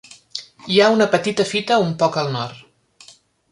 Hi ha una petita fita un poc al nord.